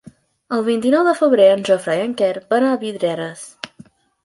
El vint-i-nou de febrer en Jofre i en Quer van a Vidreres.